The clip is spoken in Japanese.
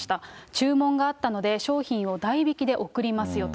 注文があったので、商品を代引きで送りますよと。